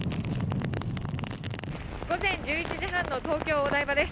午前１１時半の東京・お台場です。